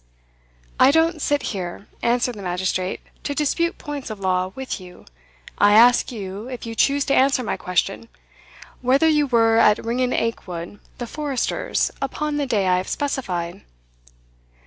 "I don't sit here," answered the magistrate, "to dispute points of law with you. I ask you, if you choose to answer my question, whether you were at Ringan Aikwood, the forester's, upon the day I have specified?"